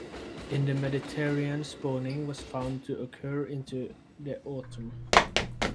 In the Mediterranean spawning was found to occur into the Autumn.